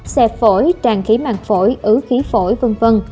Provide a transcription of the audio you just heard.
xẹp phổi tràn khí mạng phổi ứ khí phổi v v